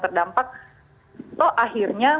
terdampak oh akhirnya